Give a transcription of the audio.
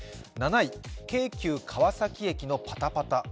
７位、京急川崎駅のパタパタ。